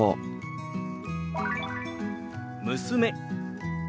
「娘」。